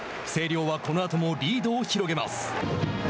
星稜はこのあともリードを広げます。